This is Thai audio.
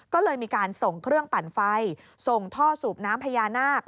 ก็เลยมีการส่งเครื่องปั่นไฟส่งท่อสูบน้ำพญานาค